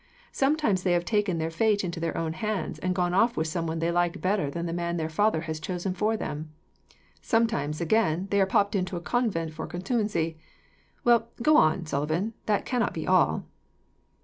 Sometimes they have taken their fate into their own hands, and gone off with someone they like better than the man their father has chosen for them; sometimes, again, they are popped into a convent for contumacy. Well, go on, O'Sullivan, that cannot be all."